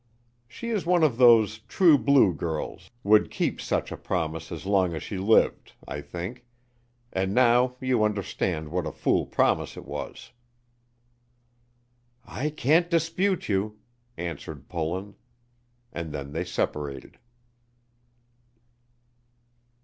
She is one of those 'true blue' girls would keep such a promise as long as she lived, I think; and now you understand what a fool promise it was." "I can't dispute you," answered Pullen, and then they separated.